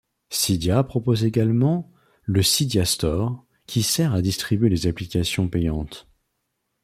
Cydia propose également le Cydia Store, qui sert à distribuer les applications payantes.